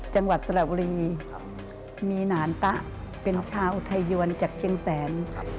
จังหวัดสละวฤีมีนานต๊ะเป็นชาวไทยวรจากเชียงแสน